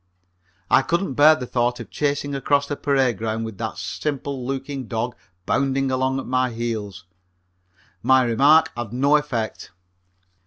I couldn't bear the thought of chasing across the parade ground with that simple looking dog bounding along at my heels. My remark had no effect.